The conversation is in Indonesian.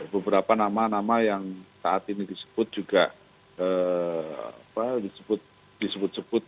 beberapa nama nama yang saat ini disebut juga disebut sebut